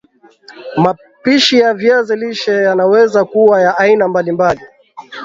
Mapishi ya viazi lishe yanaweza kuwa ya aina mbali mbal